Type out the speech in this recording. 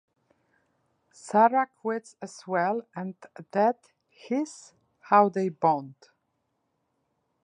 Sara quits as well and that his how they bond.